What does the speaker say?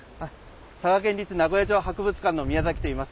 佐賀県立名護屋城博物館の宮崎といいます。